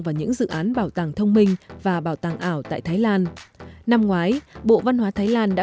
vào những dự án bảo tàng thông minh và bảo tàng ảo tại thái lan năm ngoái bộ văn hóa thái lan đã